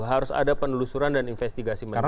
harus ada penelusuran dan investigasi mendalam